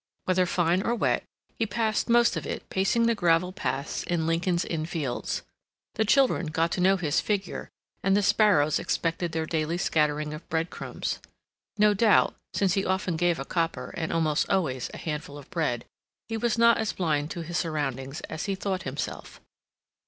Whether fine or wet, he passed most of it pacing the gravel paths in Lincoln's Inn Fields. The children got to know his figure, and the sparrows expected their daily scattering of bread crumbs. No doubt, since he often gave a copper and almost always a handful of bread, he was not as blind to his surroundings as he thought himself.